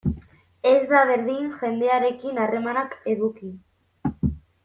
Ez da berdin jendearekin harremanak eduki.